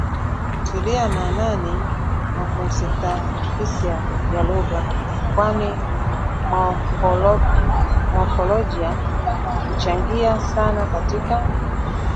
Hutilia maanani mofosintaksia ya lugha, kwani mofolojia huchangia sana katika